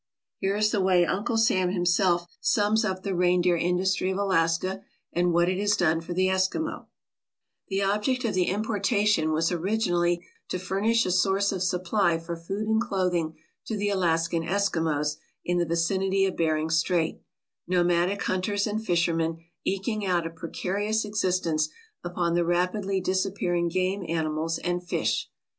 Here is the way Uncle Sam himself sums up the reindeer industry of Alaska and what it has done for the Eskimo: "The object of the importation was originally to furnish a source of supply for food and clothing to the Alaskan Eskimos in the vicinity of Bering Strait, nomadic hunters and fishermen eking out a precarious existence upon the rapidly disappearing game animals and fish.